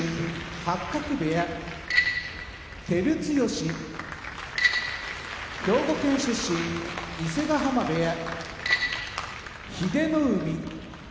八角部屋照強兵庫県出身伊勢ヶ濱部屋英乃海